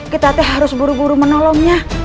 kita teh harus buru buru menolongnya